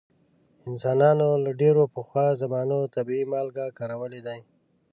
انسانانو له ډیرو پخوا زمانو طبیعي مالګې کارولې دي.